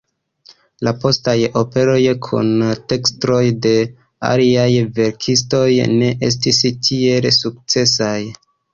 La postaj operoj kun tekstoj de aliaj verkistoj ne estis tiel sukcesaj.